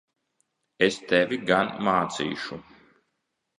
Es tevi gan mācīšu!